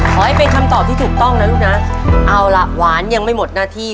ขอให้เป็นคำตอบที่ถูกต้องนะลูกนะเอาล่ะหวานยังไม่หมดหน้าที่